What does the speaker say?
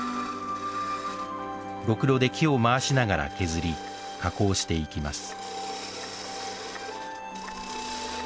ろくろで木を回しながら削り加工していきます